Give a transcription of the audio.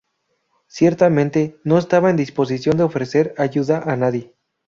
Ciertamente, no estaba en disposición de ofrecer ayuda a nadie.